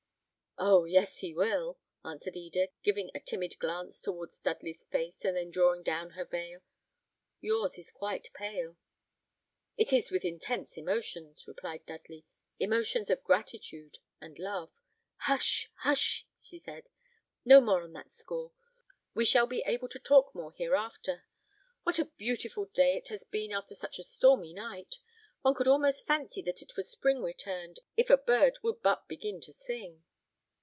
"Oh! yes, he will," answered Eda, giving a timid glance towards Dudley's face, and then drawing down her veil. "Yours is quite pale." "It is with intense emotions," replied Dudley; "emotions of gratitude and love." "Hush! hush!" she said; "no more on that score; we shall be able to talk more hereafter. What a beautiful day it has been after such a stormy night. One could almost fancy that it was spring returned, if a bird would but begin to sing."